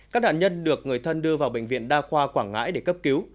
các nạn nhân được người thân đưa vào bệnh viện đa khoa quảng ngãi để cấp cứu